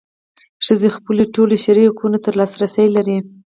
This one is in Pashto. ښځې خپلو ټولو شرعي حقونو ته لاسرسی لري.